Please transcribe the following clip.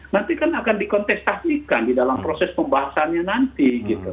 nanti kan akan dikontestasikan di dalam proses pembahasannya nanti gitu